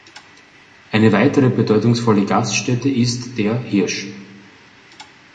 Eine weitere bedeutungsvolle Gaststätte ist der „Hirsch“.